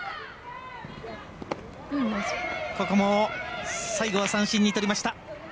ここも最後は三振にとりました。